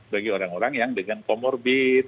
bagi orang orang yang dengan comorbid